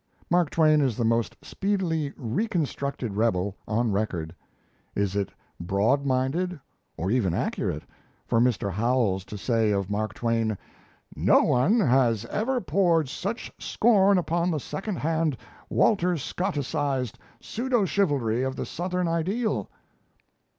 Mark Twain is the most speedily "reconstructed rebel" on record. Is it broad minded or even accurate! for Mr. Howells to say of Mark Twain: "No one has ever poured such scorn upon the second hand, Walter Scotticised, pseudo chivalry of the Southern ideal?"